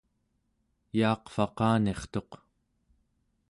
yaaqvaqanirtuq